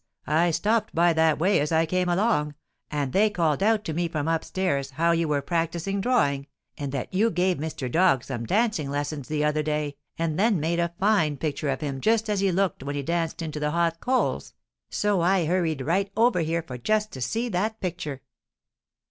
I stopped by that way as I came along, and they called out to me from up stairs how you were practising drawing, and that you gave Mr. Dog some dancing lessons the other day, and then made a fine picture of him just as he looked when he danced into the hot coals, so I hurried right over here for just to see that picture.'